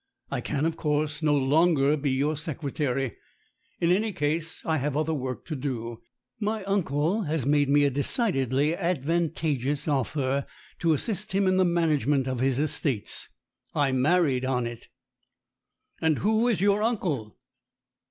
I can, of course, no longer be your secretary; in any case, I have other work to do. My uncle has made me a decidedly advantageous offer to assist him in the management of his estates. I married on it." "And who's your uncle?"